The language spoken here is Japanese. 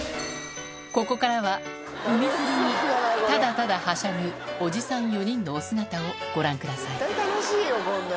ここからは海釣りにただただはしゃぐおじさん４人のお姿をご覧くださいおっ。